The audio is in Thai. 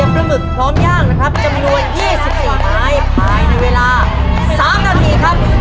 โปรดติดตามตอนต่อไป